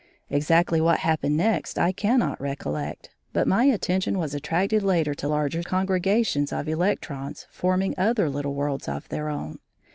Exactly what happened next I cannot recollect, but my attention was attracted later to larger congregations of electrons forming other little worlds of their own.